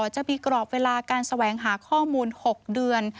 จะมีกรอบเวลาการแสวงหาข้อมูล๖เดือน